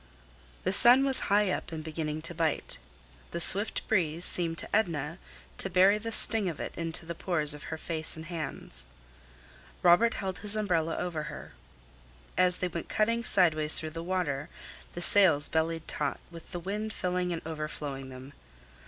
The sun was high up and beginning to bite. The swift breeze seemed to Edna to bury the sting of it into the pores of her face and hands. Robert held his umbrella over her. As they went cutting sidewise through the water, the sails bellied taut, with the wind filling and overflowing them.